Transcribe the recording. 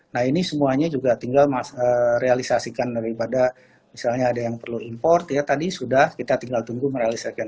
nah ini semuanya juga tinggal realisasikan daripada misalnya ada yang perlu import ya tadi sudah kita tinggal tunggu merealisasikan